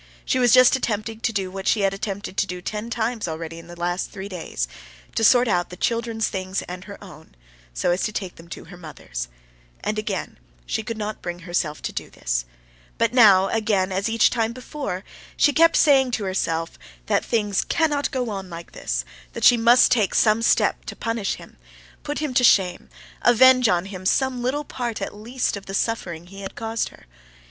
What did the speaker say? She was just attempting to do what she had attempted to do ten times already in these last three days—to sort out the children's things and her own, so as to take them to her mother's—and again she could not bring herself to do this; but now again, as each time before, she kept saying to herself, "that things cannot go on like this, that she must take some step" to punish him, put him to shame, avenge on him some little part at least of the suffering he had caused her.